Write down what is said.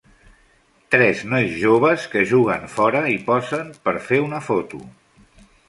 Tres nois joves que juguen fora i posen per fer una foto.